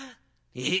えっ？